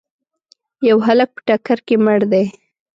یو هلک په ټکر کي مړ دی.